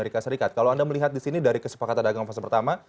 kita lihat di sini dari kesepakatan dagang fase pertama